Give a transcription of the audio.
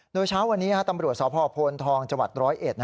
โดยเช้าวันนี้ตำรวจสอบพภทองจร้อยเอ็ด